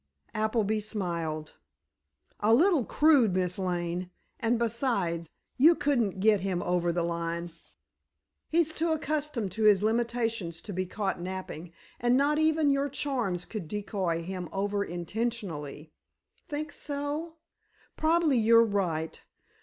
Appleby smiled. "A little crude, Miss Lane. And beside, you couldn't get him over the line. He's too accustomed to his limitations to be caught napping, and not even your charms could decoy him over intentionally." "Think so? Probably you're right.